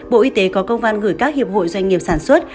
bộ y tế có công văn gửi các hiệp hội doanh nghiệp sản xuất